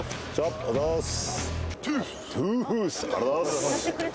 ありがとうございます。